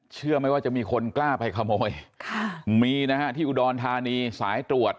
เชื่อไหมว่าจะมีคนกล้าไปขโมยค่ะมีนะฮะที่อุดรธานีสายตรวจ